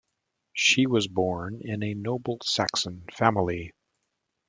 She was born in a noble Saxon family.